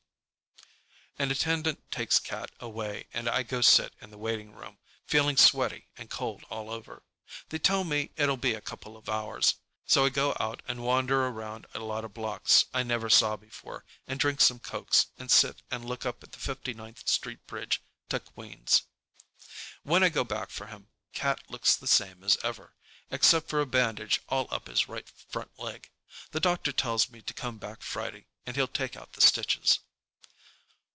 K." An attendant takes Cat away, and I go sit in the waiting room, feeling sweaty and cold all over. They tell me it'll be a couple of hours, so I go out and wander around a lot of blocks I never saw before and drink some cokes and sit and look up at the Fifty ninth Street Bridge to Queens. When I go back for him, Cat looks the same as ever, except for a bandage all up his right front leg. The doctor tells me to come back Friday and he'll take out the stitches.